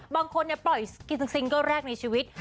บางคนเนี่ยปล่อยซิงก์ได้แรกในชีวิต